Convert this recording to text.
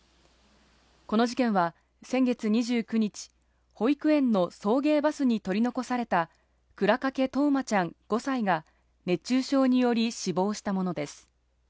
この事件は先月２９日、保育園の送迎バスに取り残された倉掛冬生ちゃん、５歳が熱中症により死亡したものです。